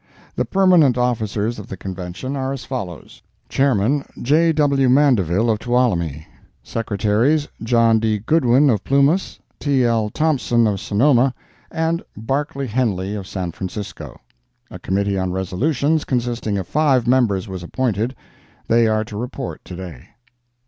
The permanent officers of the Convention are as follows: Chairman, J. W. Mandeville, of Tuolumne; Secretaries, John D. Goodwin, of Plumas, T. L. Thompson, of Sonoma, and Barclay Henley, of San Francisco. A Committee on Resolutions, consisting of five members, was appointed. They are to report to day.